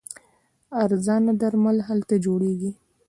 ارزانه درمل هلته جوړیږي.